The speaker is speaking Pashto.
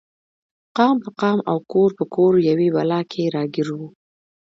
قام په قام او کور په کور یوې بلا کې راګیر و.